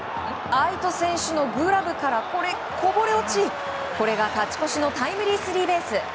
愛斗選手のグラブからこぼれ落ちこれが勝ち越しのタイムリースリーベース。